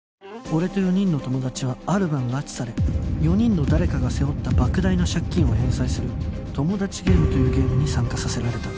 俺と４人の友達はある晩拉致され４人の誰かが背負った莫大な借金を返済するトモダチゲームというゲームに参加させられた